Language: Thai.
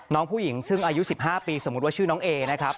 น้องผู้หญิงซึ่งอายุ๑๕ปีสมมุติว่าชื่อน้องเอนะครับ